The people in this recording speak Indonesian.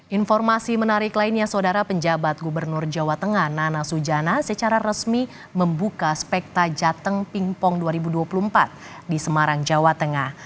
informasi menarik lainnya saudara penjabat gubernur jawa tengah nana sujana secara resmi membuka spekta jateng pingpong dua ribu dua puluh empat di semarang jawa tengah